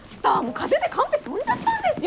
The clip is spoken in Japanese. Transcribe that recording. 風でカンペ飛んじゃったんですよ。